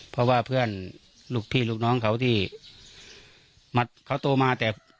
เพราะว่าเพื่อนลูกพี่ลูกน้องเขาที่เขาโตมาแต่